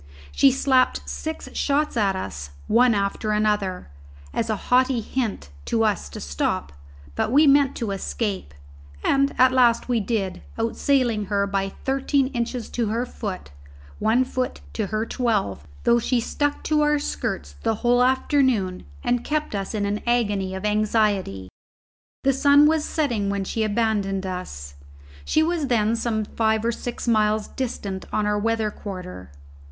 She slapped six shots at us, one after another, as a haughty hint to us to stop; but we meant to escape, and at last we did, outsailing her by thirteen inches to her foot one foot to her twelve though she stuck to our skirts the whole afternoon and kept us in an agony of anxiety. The sun was setting when she abandoned us: she was then some five or six miles distant on our weather quarter.